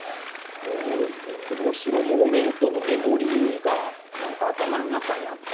そういう「おもしろモーメントのメモリー」がなんか頭の中にあって。